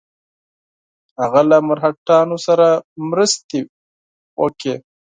هغه له مرهټیانو سره مرستې وکړي.